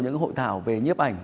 những hội thảo về nhếp ảnh